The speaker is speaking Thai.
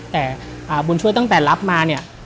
แต่บุญช่วยตั้งแต่รับมาเนี่ย